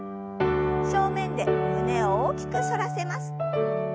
正面で胸を大きく反らせます。